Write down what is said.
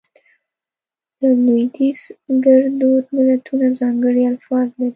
د لودیز ګړدود متلونه ځانګړي الفاظ لري